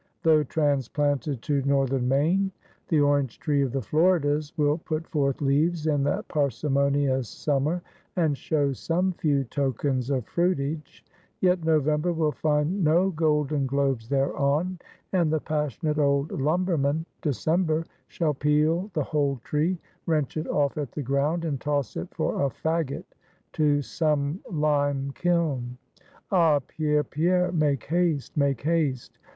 Though transplanted to northern Maine, the orange tree of the Floridas will put forth leaves in that parsimonious summer, and show some few tokens of fruitage; yet November will find no golden globes thereon; and the passionate old lumber man, December, shall peel the whole tree, wrench it off at the ground, and toss it for a fagot to some lime kiln. Ah, Pierre, Pierre, make haste! make haste!